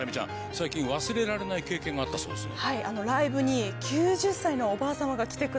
最近忘れられない経験があったそうですね。